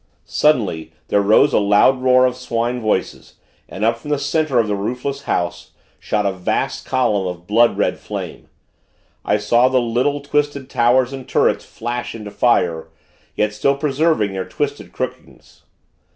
Suddenly, there rose a loud roar of swine voices, and, up from the center of the roofless house, shot a vast column of blood red flame. I saw the little, twisted towers and turrets flash into fire; yet still preserving their twisted crookedness.